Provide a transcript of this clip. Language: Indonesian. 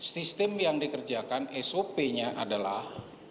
sistem yang dikerjakan sop nya adalah